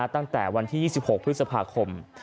ตั้งแต่วันที่๒๖พฤษภาคม